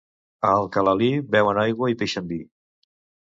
A Alcalalí beuen aigua i pixen vi.